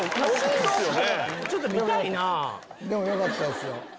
でもよかったですよ。